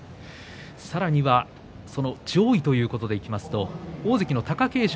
さらには、その上位ということで言いますと大関の貴景勝